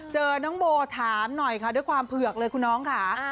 เจอน้องโบถามหน่อยค่ะด้วยความเผือกเลยคุณน้องค่ะ